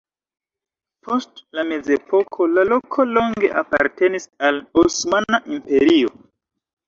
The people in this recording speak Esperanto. Post la mezepoko la loko longe apartenis al Osmana Imperio.